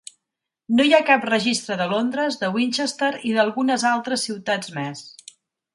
No hi ha cap registre de Londres, de Winchester i d'algunes altres ciutats més.